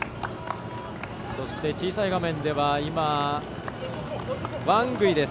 そして、小さい画面ではワングイです。